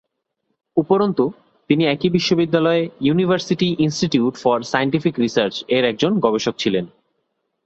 উপরন্তু, তিনি একই বিশ্ববিদ্যালয়ে "ইউনিভার্সিটি ইনস্টিটিউট ফর সায়েন্টিফিক রিসার্চ"-এর একজন গবেষক ছিলেন।